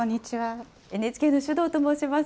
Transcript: ＮＨＫの首藤と申します。